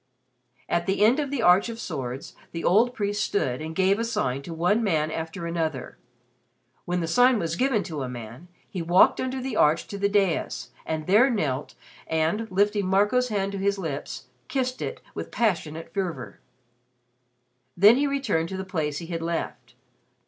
At the end of the arch of swords, the old priest stood and gave a sign to one man after another. When the sign was given to a man he walked under the arch to the dais, and there knelt and, lifting Marco's hand to his lips, kissed it with passionate fervor. Then he returned to the place he had left.